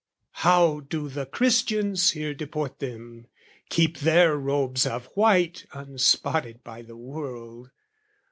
How do the Christians here deport them, keep Their robes of white unspotted by the world?